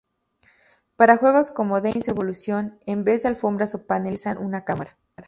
Para juegos como "Dance Evolution", en vez de alfombras o paneles, utiliza una cámara.